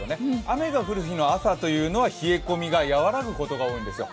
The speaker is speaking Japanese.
雨が降る日の朝というのは冷え込みが和らぐことが多いんですよ。